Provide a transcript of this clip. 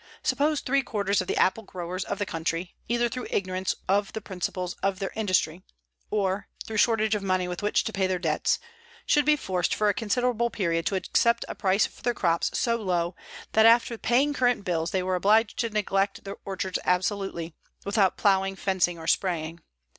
Suppose three quarters of the apple growers of the country, either through ignorance of the principles of their industry or through shortage of money with which to pay their debts, should be forced for a considerable period to accept a price for their crop so low that after paying current bills they were obliged to neglect their orchards absolutely, without plowing, fencing or spraying.